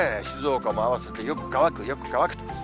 静岡も合わせてよく乾く、よく乾くと。